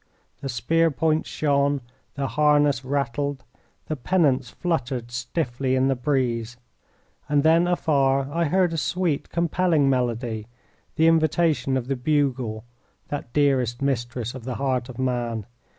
The spear points shone. The harness rattled. The pennants fluttered stiffly in the breeze. And then afar I heard a sweet, compelling melody, the invitation of the bugle, that dearest mistress of the heart of man.